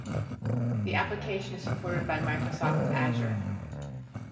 The application is supported by Microsoft Azure.